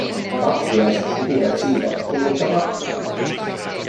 Tappiaiset pitivät siitä, kun niitä rapsutti.